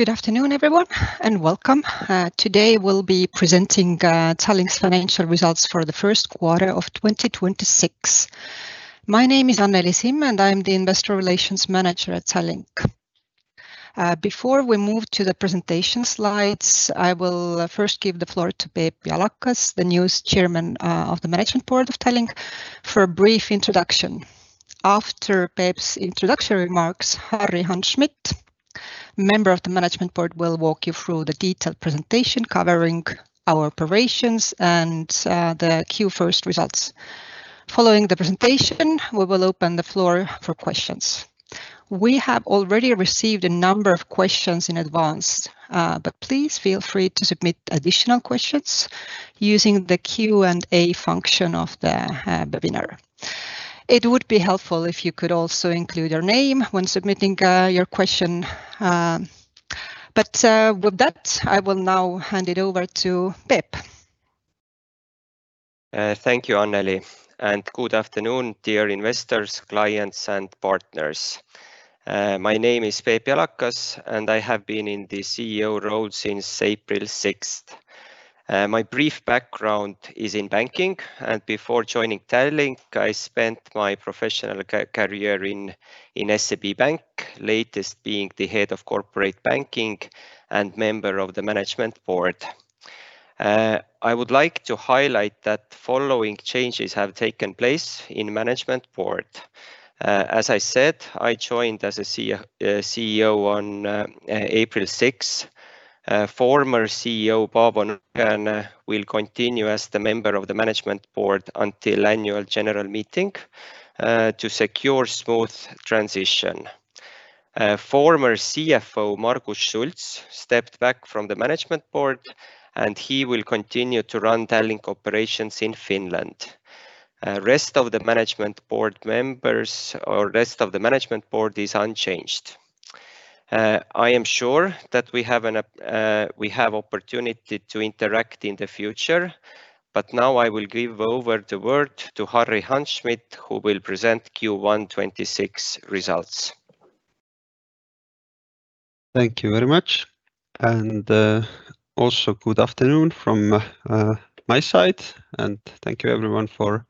Good afternoon, everyone, and welcome. Today we'll be presenting Tallink's Financial Results for the First Quarter of 2026. My name is Anneli Simm, and I'm the Investor Relations Manager at Tallink. Before we move to the presentation slides, I will first give the floor to Peep Jalakas, the newest Chairman of the Management Board of Tallink for a brief introduction. After Peep's introductory remarks, Harri Hanschmidt, Member of the Management Board, will walk you through the detailed presentation covering our operations and the Q1st results. Following the presentation, we will open the floor for questions. We have already received a number of questions in advance, but please feel free to submit additional questions using the Q&A function of the webinar. It would be helpful if you could also include your name when submitting your question. With that, I will now hand it over to Peep. Thank you, Anneli, and good afternoon, dear investors, clients and partners. My name is Peep Jalakas, and I have been in the CEO role since April 6th. My brief background is in banking, and before joining Tallink, I spent my professional career in SEB Bank, latest being the head of corporate banking and member of the Management Board. I would like to highlight that following changes have taken place in Management Board. As I said, I joined as a CEO on April 6th. Former CEO, Paavo Nõgene will continue as the member of the Management Board until annual general meeting, to secure smooth transition. Former CFO, Margus Schults, stepped back from the Management Board, and he will continue to run Tallink operations in Finland. Rest of the Management Board is unchanged. I am sure that we have opportunity to interact in the future, but now I will give over the word to Harri Hanschmidt, who will present Q1 2026 results. Thank you very much. Also good afternoon from my side, and thank you everyone for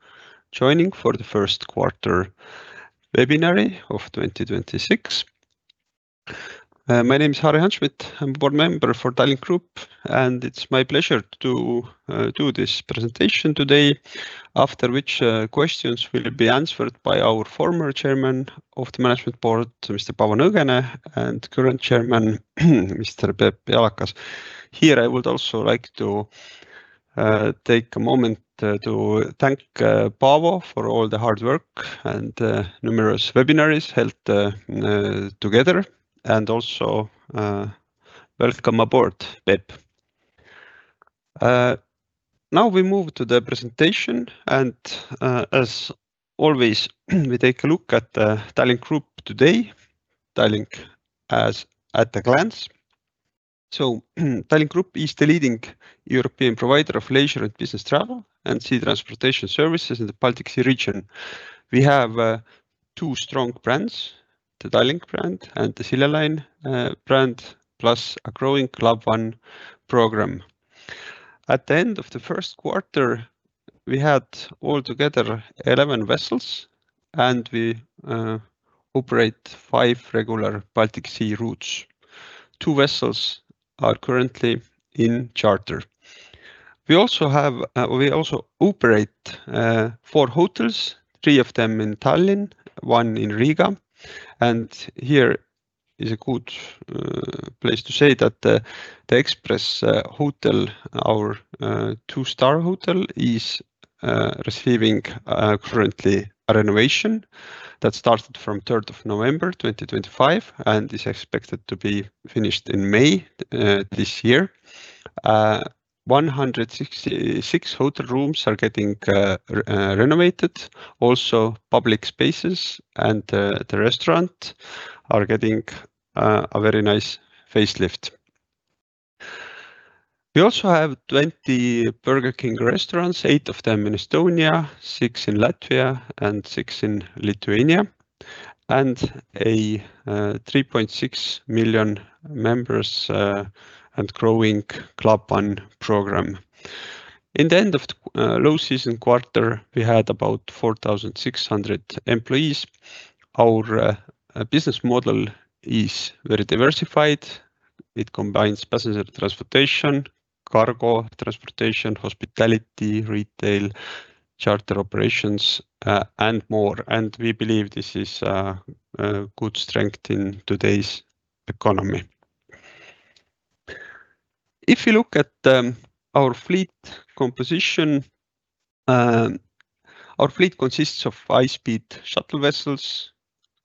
joining for the First Quarter Webinar of 2026. My name is Harri Hanschmidt. I'm Board Member for Tallink Grupp, and it's my pleasure to do this presentation today, after which questions will be answered by our former Chairman of the Management Board, Mr. Paavo Nõgene, and current Chairman, Mr. Peep Jalakas. Here I would also like to take a moment to thank Paavo for all the hard work and numerous webinars held together, and also welcome aboard, Peep. Now we move to the presentation, and as always, we take a look at Tallink Grupp today. Tallink at a glance. Tallink Grupp is the leading European provider of leisure and business travel and sea transportation services in the Baltic Sea region. We have two strong brands, the Tallink brand and the Silja Line brand, plus a growing Club One program. At the end of the first quarter, we had all together 11 vessels, and we operate five regular Baltic Sea routes. Two vessels are currently in charter. We also operate four hotels, three of them in Tallinn, one in Riga. Here is a good place to say that the Express Hotel, our two-star hotel, is receiving currently a renovation that started from 3rd of November 2025, and is expected to be finished in May this year. 166 hotel rooms are getting renovated. Also, public spaces and the restaurant are getting a very nice facelift. We also have 20 Burger King restaurants, eight of them in Estonia, six in Latvia, and six in Lithuania, and a 3.6 million members and growing Club One program. In the end of low season quarter, we had about 4,600 employees. Our business model is very diversified. It combines passenger transportation, cargo transportation, hospitality, retail, charter operations, and more. We believe this is good strength in today's economy. If you look at our fleet composition, our fleet consists of high-speed shuttle vessels,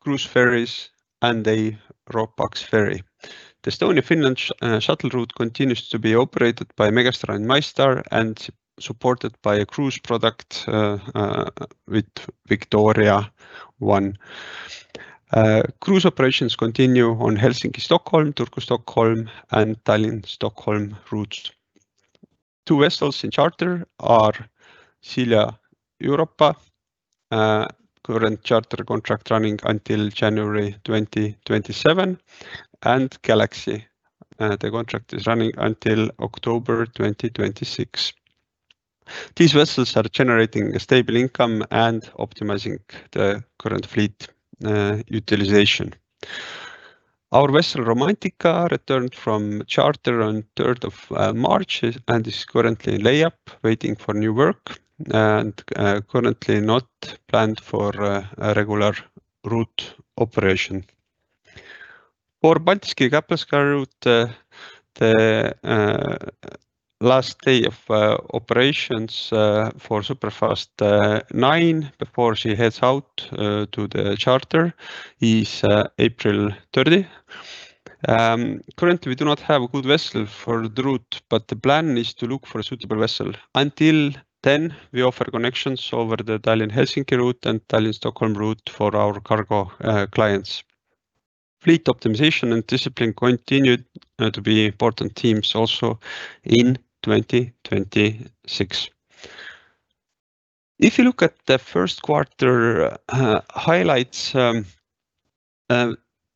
cruise ferries, and a ro-pax ferry. The Estonia-Finland shuttle route continues to be operated by Megastar and MyStar, and supported by a cruise product with Victoria I. Cruise operations continue on Helsinki-Stockholm, Turku-Stockholm, and Tallinn-Stockholm routes. Two vessels in charter are Silja Europa, current charter contract running until January 2027, and Galaxy. The contract is running until October 2026. These vessels are generating a stable income and optimizing the current fleet utilization. Our vessel Romantika returned from charter on 3rd of March and is currently in layup waiting for new work, and currently not planned for a regular route operation. For Paldiski-Kapellskär route, the last day of operations for Superfast IX before she heads out to the charter is April 30. Currently, we do not have a good vessel for the route, but the plan is to look for a suitable vessel. Until then, we offer connections over the Tallinn-Helsinki route and Tallinn-Stockholm route for our cargo clients. Fleet optimization and discipline continued to be important themes also in 2026. If you look at the first quarter highlights,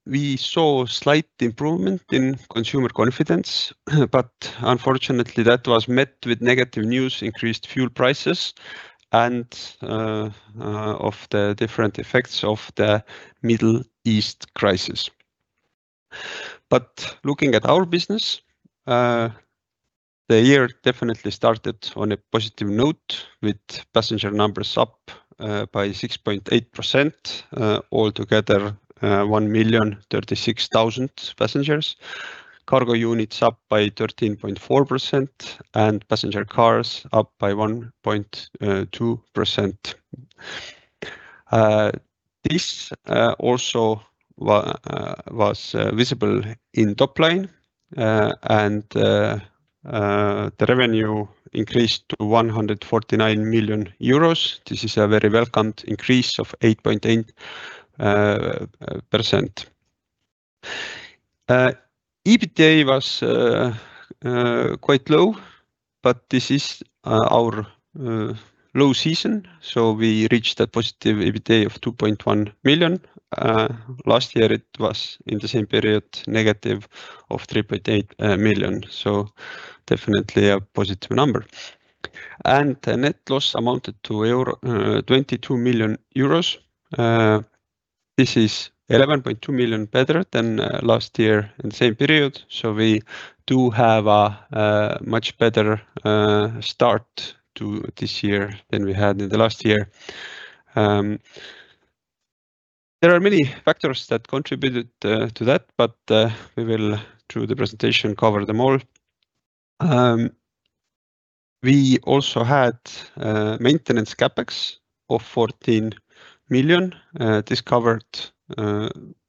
we saw slight improvement in consumer confidence, but unfortunately, that was met with negative news, increased fuel prices, and the different effects of the Middle East crisis. Looking at our business, the year definitely started on a positive note with passenger numbers up by 6.8%, altogether 1,036,000 passengers. Cargo units up by 13.4%, and passenger cars up by 1.2%. This also was visible in top line and the revenue increased to 149 million euros. This is a very welcomed increase of 8.8%. EBITDA was quite low, but this is our low season, so we reached a positive EBITDA of 2.1 million. Last year, it was in the same period, negative of 3.8 million, so definitely a positive number. The net loss amounted to 22 million euros. This is 11.2 million better than last year in the same period, so we do have a much better start to this year than we had in the last year. There are many factors that contributed to that, but we will through the presentation, cover them all. We also had maintenance CapEx of 14 million. This covered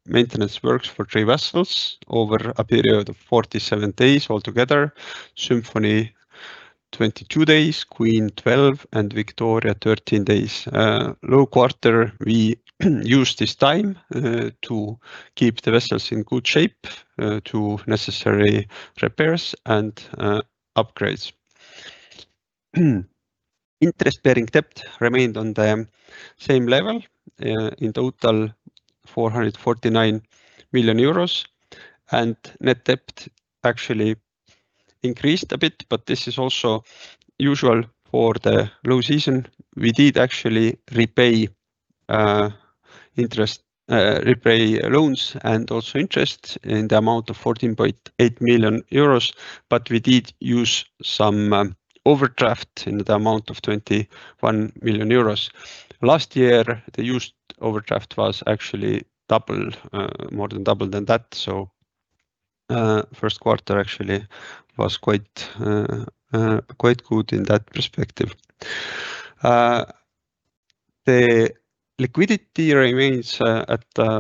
maintenance works for three vessels over a period of 47 days altogether. Symphony, 22 days, Queen, 12, and Victoria, 13 days. Low quarter, we used this time to keep the vessels in good shape, do necessary repairs and upgrades. Interest-bearing debt remained on the same level, in total 449 million euros. Net debt actually increased a bit, but this is also usual for the low season. We did actually repay loans and also interest in the amount of 14.8 million euros, but we did use some overdraft in the amount of 21 million euros. Last year, the used overdraft was actually more than double than that. First quarter actually was quite good in that perspective. The liquidity remains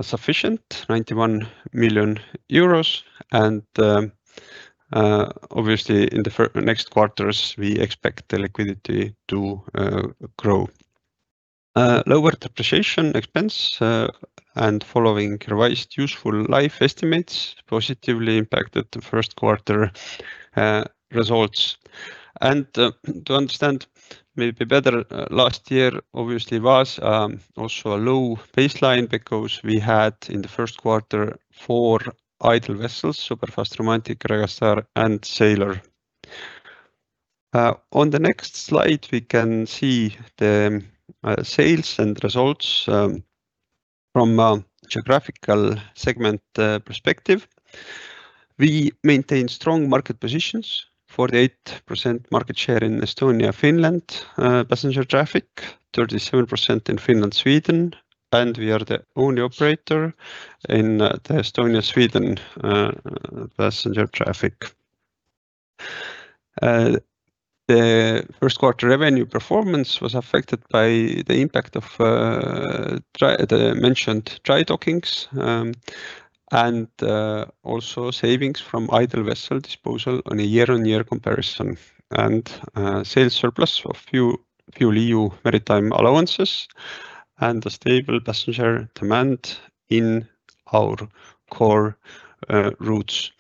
sufficient at 91 million euros, and obviously in the next quarters, we expect the liquidity to grow. Lower depreciation expense, and following revised useful life estimates positively impacted the first quarter results. To understand maybe better, last year obviously was also a low baseline because we had in the first quarter four idle vessels, Superfast, Romantika, Regal Star, and Sailor. On the next slide, we can see the sales and results from a geographical segment perspective. We maintain strong market positions, 48% market share in Estonia-Finland passenger traffic, 37% in Finland-Sweden, and we are the only operator in the Estonia-Sweden passenger traffic. The first quarter revenue performance was affected by the impact of the mentioned dry dockings, and also savings from idle vessel disposal on a year-on-year comparison, and sales surplus of FuelEU Maritime allowances, and a stable passenger demand in our core routes.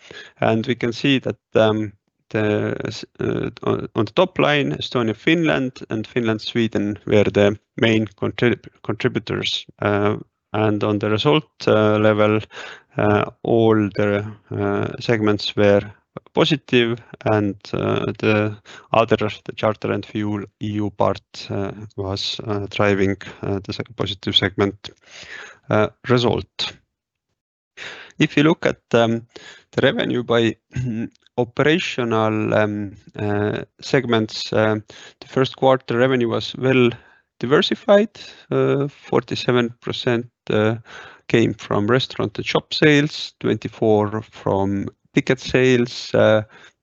We can see that on the top line, Estonia-Finland and Finland-Sweden were the main contributors. On the result level, all the segments were positive, and the other, the charter and FuelEU part, was driving the positive segment result. If you look at the revenue by operational segments, the first quarter revenue was well diversified. 47% came from restaurant and shop sales, 24% from ticket sales,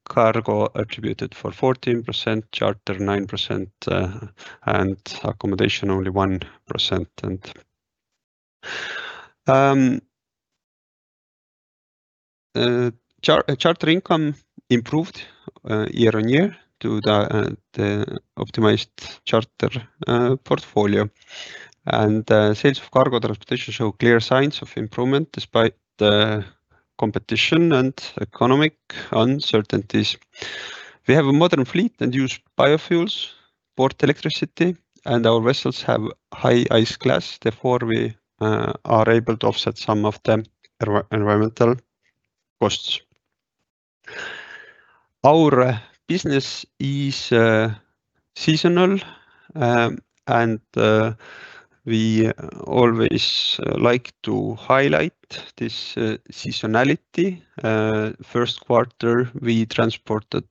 cargo attributed for 14%, charter 9%, and accommodation only 1%. Charter income improved year-over-year due to the optimized charter portfolio. Sales of cargo transportation show clear signs of improvement despite the competition and economic uncertainties. We have a modern fleet and use biofuels, port electricity, and our vessels have high ice class. Therefore, we are able to offset some of the environmental costs. Our business is seasonal, and we always like to highlight this seasonality. First quarter, we transported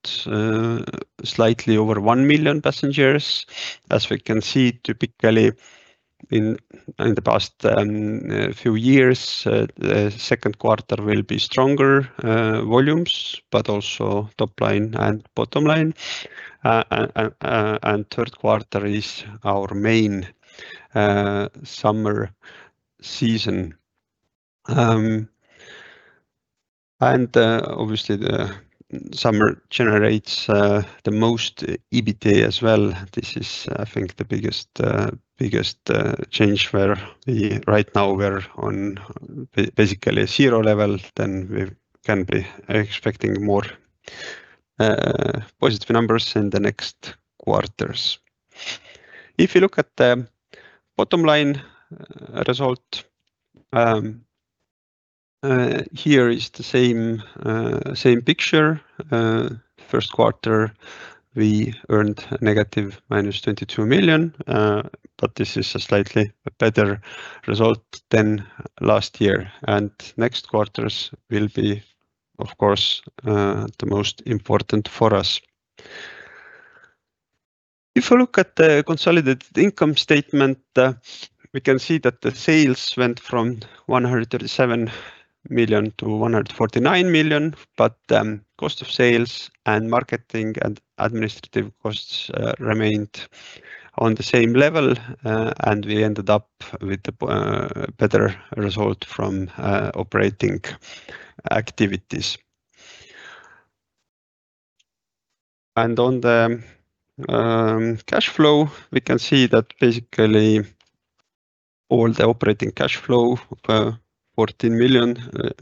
slightly over 1 million passengers. As we can see, typically in the past few years, the second quarter will be stronger volumes, but also top line and bottom line. Third quarter is our main summer season. Obviously, the summer generates the most EBITDA as well. This is, I think, the biggest change where right now we're on basically a zero level, then we can be expecting more positive numbers in the next quarters. If you look at the bottom line result, here is the same picture. First quarter, we earned negative -22 million, but this is a slightly better result than last year. Next quarters will be, of course, the most important for us. If you look at the consolidated income statement, we can see that the sales went from 137 million to 149 million. Cost of sales and marketing and administrative costs remained on the same level, and we ended up with a better result from operating activities. On the cash flow, we can see that basically all the operating cash flow, 14 million,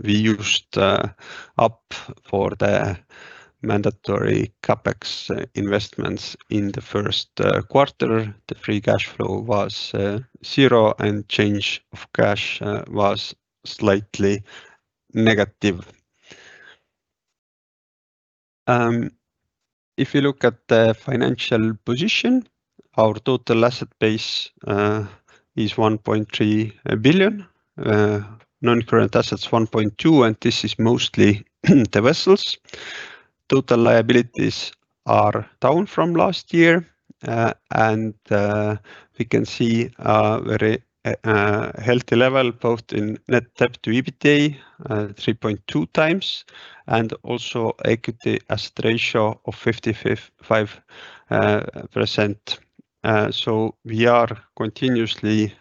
we used up for the mandatory CapEx investments in the first quarter. The free cash flow was 0, and change of cash was slightly negative. If you look at the financial position, our total asset base is 1.3 billion. Non-current assets, 1.2 billion, and this is mostly the vessels. Total liabilities are down from last year. We can see a very healthy level both in net debt to EBITDA, 3.2x, and also equity asset ratio of 55%. We are continuously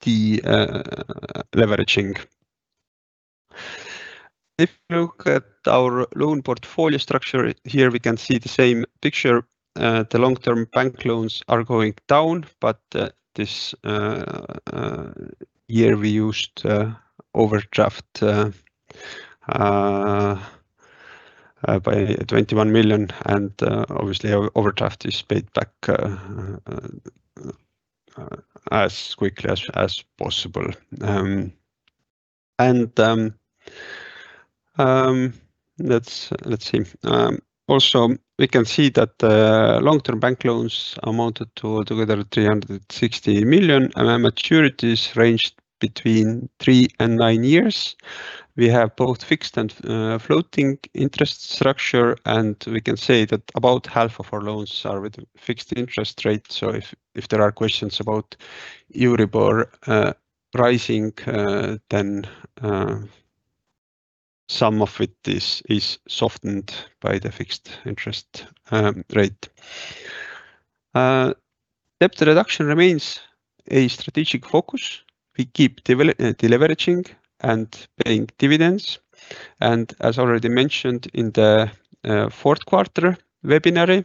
de-leveraging. If you look at our loan portfolio structure here, we can see the same picture. The long-term bank loans are going down, but this year we used overdraft by 21 million, and obviously, overdraft is paid back as quickly as possible. Let's see. Also, we can see that the long-term bank loans amounted to together 360 million, and maturities ranged between three and nine years. We have both fixed and floating interest structure, and we can say that about half of our loans are with fixed interest rate. If there are questions about Euribor pricing, then some of it is softened by the fixed interest rate. Debt reduction remains a strategic focus. We keep de-leveraging and paying dividends. As already mentioned in the fourth quarter webinar,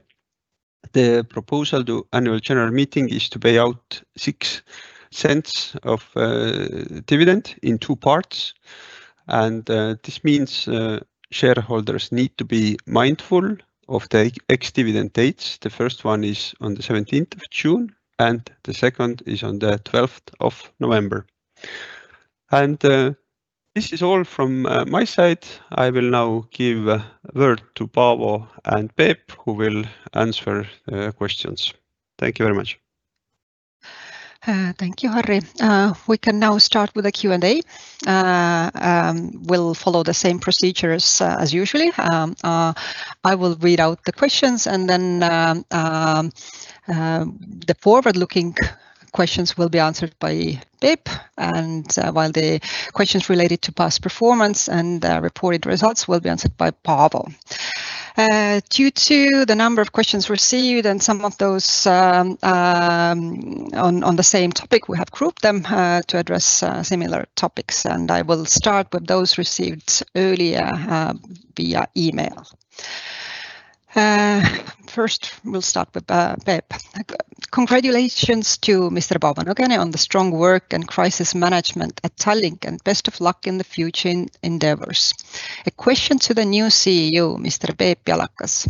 the proposal to annual general meeting is to pay out 0.06 dividend in two parts. This means shareholders need to be mindful of the ex-dividend dates. The first one is on the 17th of June, and the second is on the 12th of November. This is all from my side. I will now give word to Paavo and Peep, who will answer questions. Thank you very much. Thank you, Harri. We can now start with the Q&A. We'll follow the same procedure as usual. I will read out the questions, and then the forward-looking questions will be answered by Peep. While the questions related to past performance and reported results will be answered by Paavo. Due to the number of questions received and some of those on the same topic, we have grouped them to address similar topics, and I will start with those received earlier via email. First, we'll start with Peep. Congratulations to Mr. Paavo Nõgene on the strong work and crisis management at Tallink, and best of luck in the future endeavors. A question to the new CEO, Mr. Peep Jalakas,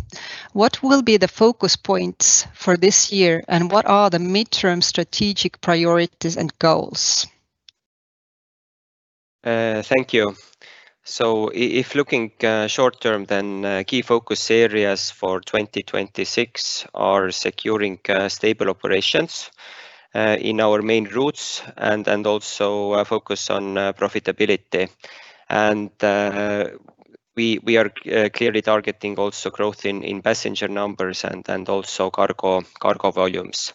what will be the focus points for this year, and what are the midterm strategic priorities and goals? Thank you. If looking short-term, then key focus areas for 2026 are securing stable operations in our main routes and also a focus on profitability. We are clearly targeting also growth in passenger numbers and also cargo volumes.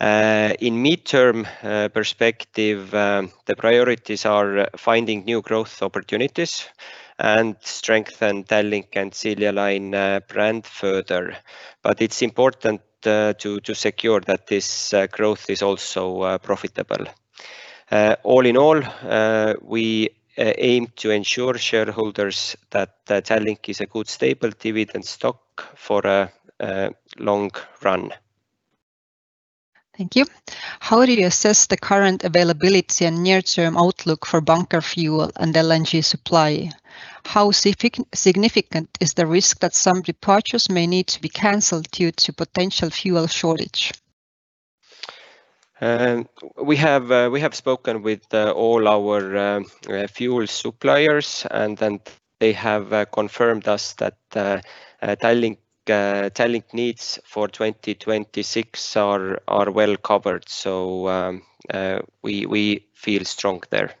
In midterm perspective, the priorities are finding new growth opportunities and strengthen Tallink and Silja Line brand further. It's important to secure that this growth is also profitable. All in all, we aim to ensure shareholders that Tallink is a good stable dividend stock for a long run. Thank you. How do you assess the current availability and near-term outlook for bunker fuel and LNG supply? How significant is the risk that some departures may need to be canceled due to potential fuel shortage? We have spoken with all our fuel suppliers, and they have confirmed us that Tallink needs for 2026 are well covered. We feel strong there.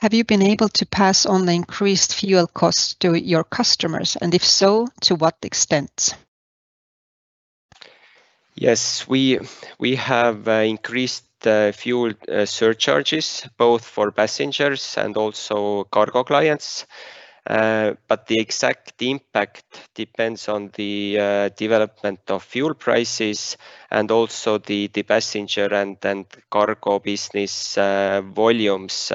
Have you been able to pass on the increased fuel costs to your customers, and if so, to what extent? Yes, we have increased fuel surcharges both for passengers and also cargo clients. The exact impact depends on the development of fuel prices and also the passenger and cargo business volumes.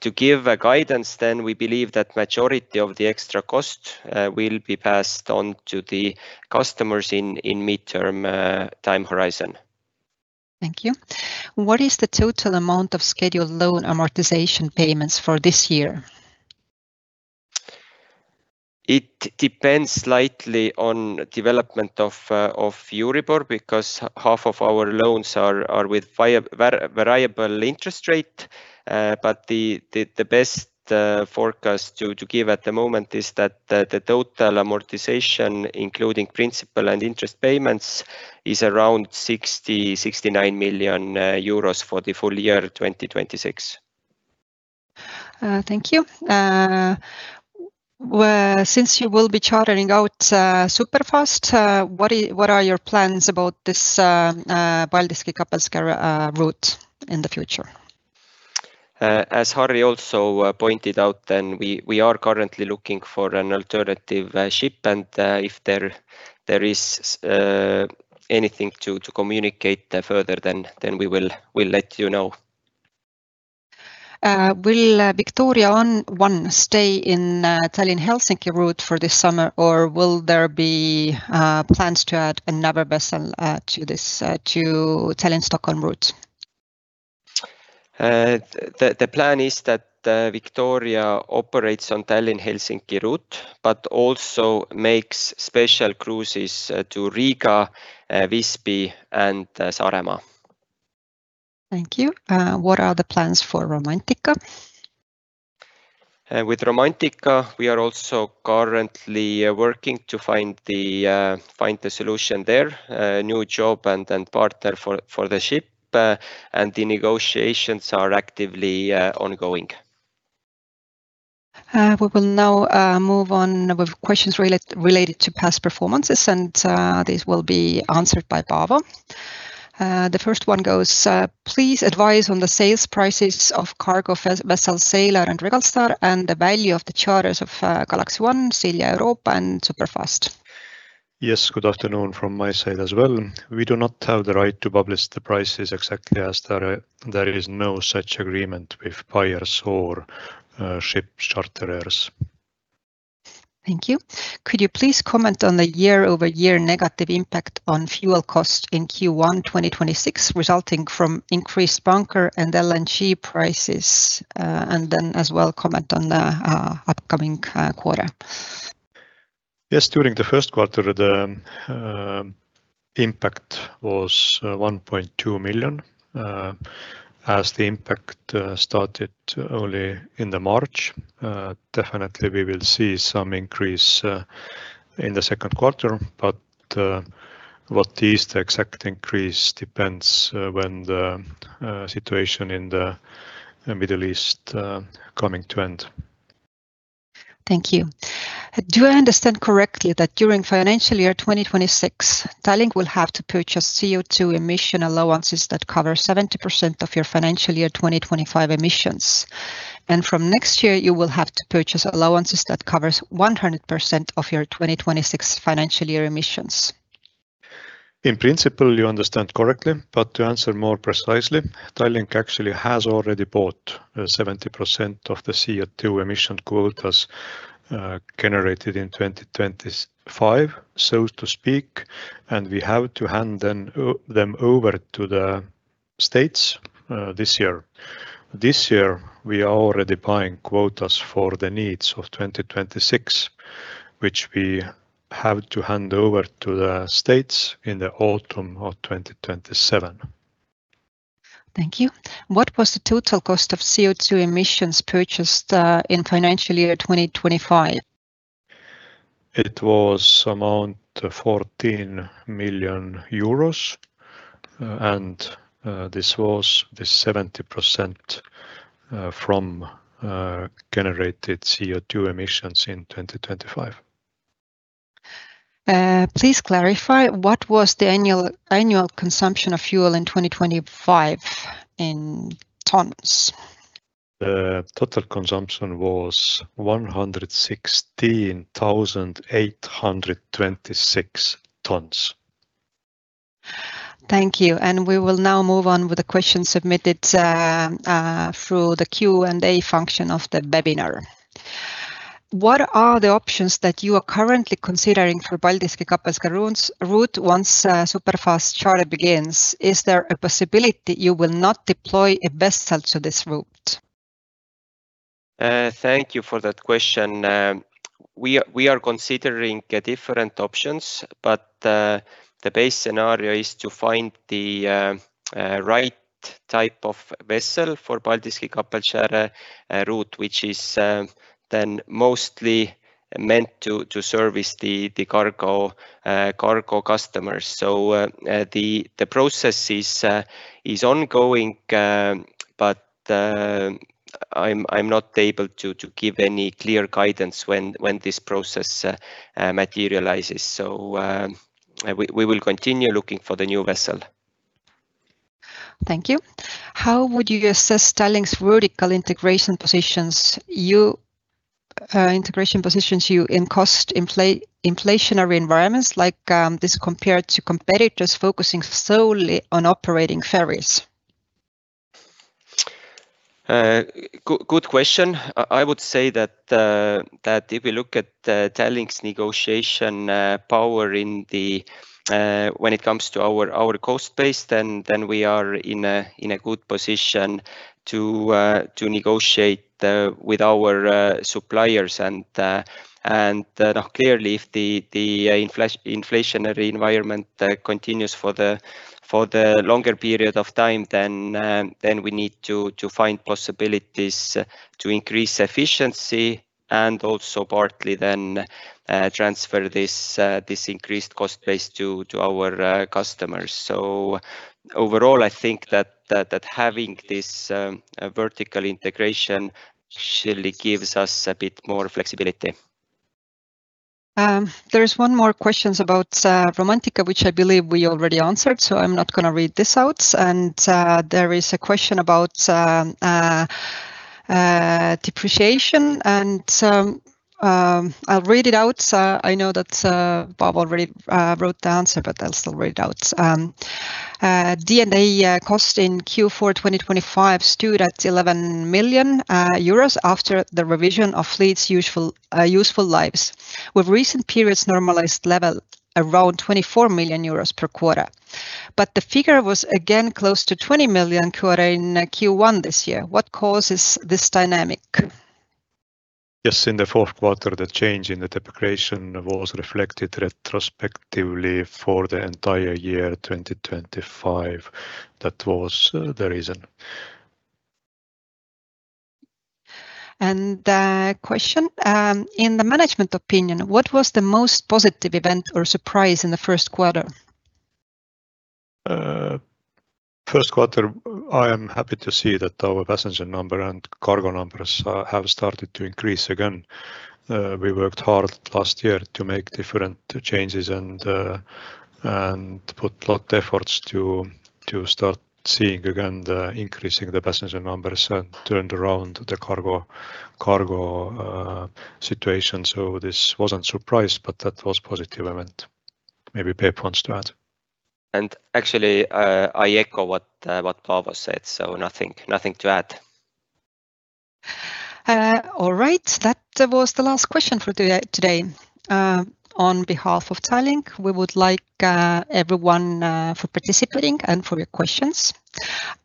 To give a guidance then, we believe that majority of the extra cost will be passed on to the customers in midterm time horizon. Thank you. What is the total amount of scheduled loan amortization payments for this year? It depends slightly on development of Euribor, because half of our loans are with variable interest rate. The best forecast to give at the moment is that the total amortization, including principal and interest payments, is around 60-69 million euros for the full year 2026. Thank you. Since you will be chartering out Superfast, what are your plans about this Paldiski-Kapellskär route in the future? As Harri also pointed out then, we are currently looking for an alternative ship, and if there is anything to communicate further, then we'll let you know. Will Victoria I stay in Tallinn-Helsinki route for this summer, or will there be plans to add another vessel to Tallinn-Stockholm route? The plan is that Victoria operates on Tallinn-Helsinki route, but also makes special cruises to Riga, Visby, and Saaremaa. Thank you. What are the plans for Romantika? With Romantika, we are also currently working to find the solution there, a new job and partner for the ship, and the negotiations are actively ongoing. We will now move on with questions related to past performances, and these will be answered by Paavo. The first one goes, please advise on the sales prices of cargo vessels Sailor and Regal Star, and the value of the charters of Galaxy I, Silja Europa, and Superfast. Yes, good afternoon from my side as well. We do not have the right to publish the prices exactly as there is no such agreement with buyers or ship charterers. Thank you. Could you please comment on the year-over-year negative impact on fuel costs in Q1 2026, resulting from increased bunker and LNG prices, and then as well, comment on the upcoming quarter? Yes, during the first quarter, the impact was 1.2 million, as the impact started only in March. Definitely, we will see some increase in the second quarter, but what is the exact increase depends on when the situation in the Middle East comes to an end. Thank you. Do I understand correctly that during financial year 2026, Tallink will have to purchase CO2 emission allowances that cover 70% of your financial year 2025 emissions, and from next year, you will have to purchase allowances that covers 100% of your 2026 financial year emissions? In principle, you understand correctly, but to answer more precisely, Tallink actually has already bought 70% of the CO2 emission quotas generated in 2025, so to speak, and we have to hand them over to the states this year. This year, we are already buying quotas for the needs of 2026, which we have to hand over to the states in the autumn of 2027. Thank you. What was the total cost of CO2 emissions purchased in financial year 2025? It was around 14 million euros, and this was the 70% from generated CO2 emissions in 2025. Please clarify what was the annual consumption of fuel in 2025 in tons? The total consumption was 116,826 tons. Thank you. We will now move on with the question submitted through the Q&A function of the webinar. What are the options that you are currently considering for Paldiski-Kapellskär route once Superfast charter begins? Is there a possibility you will not deploy a vessel to this route? Thank you for that question. We are considering different options, but the base scenario is to find the right type of vessel for Baltics capacity route, which is then mostly meant to service the cargo customers. The process is ongoing, but I'm not able to give any clear guidance when this process materializes. We will continue looking for the new vessel. Thank you. How would you assess how Tallink's vertical integration positions you in cost inflationary environments like this compared to competitors focusing solely on operating ferries? Good question. I would say that if we look at Tallink's negotiation power when it comes to our cost base, then we are in a good position to negotiate with our suppliers. Clearly, if the inflationary environment continues for the longer period of time, then we need to find possibilities to increase efficiency and also partly then transfer this increased cost base to our customers. Overall, I think that having this vertical integration surely gives us a bit more flexibility. There is one more question about Romantika, which I believe we already answered, so I'm not going to read this out. There is a question about depreciation, and I'll read it out. I know that Paavo already wrote the answer, but I'll still read it out. D&A cost in Q4 2025 stood at 11 million euros after the revision of fleet's useful lives, with recent periods normalized level around 24 million euros per quarter. The figure was again close to 20 million per quarter in Q1 this year. What causes this dynamic? Yes, in the fourth quarter, the change in the depreciation was reflected retrospectively for the entire year 2025. That was the reason. The question, in the management opinion, what was the most positive event or surprise in the first quarter? First quarter, I am happy to see that our passenger number and cargo numbers have started to increase again. We worked hard last year to make different changes and put a lot of efforts to start seeing again the increasing passenger numbers and turned around the cargo situation. This wasn't a surprise, but that was a positive event. Maybe Peep wants to add. Actually, I echo what Paavo said, so nothing to add. All right. That was the last question for today. On behalf of Tallink, we would like to thank everyone for participating and for your questions.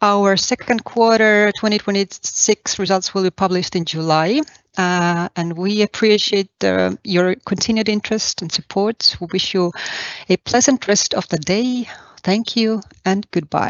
Our second quarter 2026 results will be published in July. We appreciate your continued interest and support. We wish you a pleasant rest of the day. Thank you and goodbye.